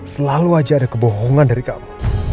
selalu aja ada kebohongan dari kamu